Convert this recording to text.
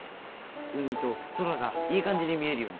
海と空がいい感じに見えるように。